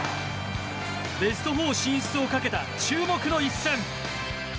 ベスト４進出をかけた注目の一戦。